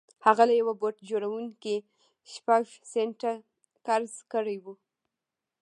هغه له یوه بوټ جوړوونکي شپږ سنټه قرض کړي وو